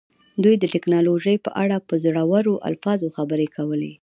دوی د ټیکنالوژۍ په اړه په زړورو الفاظو خبرې کولې